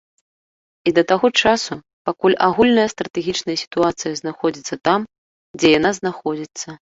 І да таго часу, пакуль агульная стратэгічная сітуацыя знаходзіцца там, дзе яна знаходзіцца.